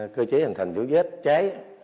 cơ chế hình thành dấu vết trái